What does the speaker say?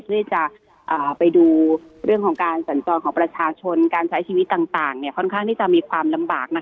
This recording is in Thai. ที่จะไปดูเรื่องของการสัญจรของประชาชนการใช้ชีวิตต่างค่อนข้างที่จะมีความลำบาก